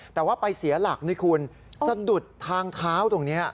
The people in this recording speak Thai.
แต่ว่าไปเสียหลักทางท้าว